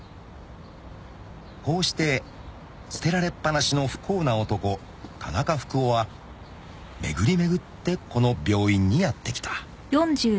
［こうして捨てられっぱなしの不幸な男田中福男は巡り巡ってこの病院にやって来た］